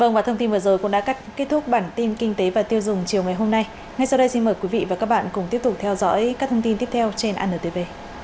ngay sau đây xin mời quý vị và các bạn cùng tiếp tục theo dõi các thông tin tiếp theo trên anntv